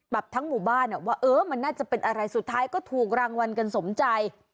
ทั้งหมู่บ้านว่าเออมันน่าจะเป็นอะไรสุดท้ายก็ถูกรางวัลกันสมใจ